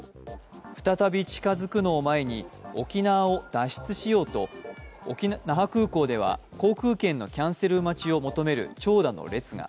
再び近づくのを前に、沖縄を脱出しようと那覇空港では航空券のキャンセル待ちを求める長蛇の列が。